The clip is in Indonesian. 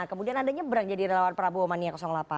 kemudian anda nyebrang jadi relawan prabowo mania delapan